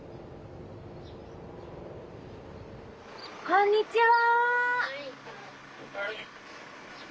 こんにちは。